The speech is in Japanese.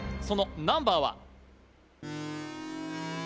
そのナンバーは？